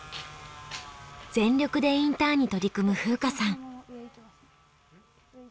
全力でインターンに取り組む風花さん。